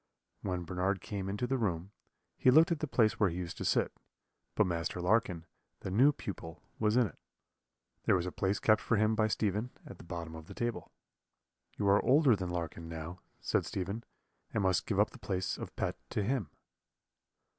When Bernard came into the room, he looked at the place where he used to sit, but Master Larkin, the new pupil, was in it. There was a place kept for him by Stephen at the bottom of the table. "'You are older than Larkin, Low,' said Stephen, 'and must give up the place of pet to him.'